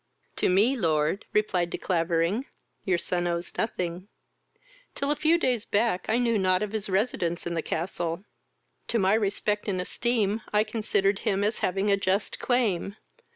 "To me lord, (replied De Clavering,) your son owes nothing: till a few days back I knew not of his residence in the castle: to my respect and esteem I considered him as having a just claim.